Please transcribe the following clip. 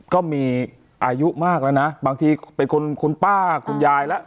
ก็มีอายุมากแล้วนะบางทีเป็นคุณป้าคุณยายแล้ว